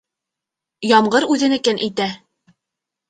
Ямғыр үҙенекен итә.